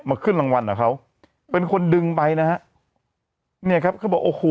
ขึ้นรางวัลกับเขาเป็นคนดึงไปนะฮะเนี่ยครับเขาบอกโอ้โห